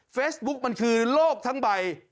เฟซบุ๊กมันคือโลกทั้งใบ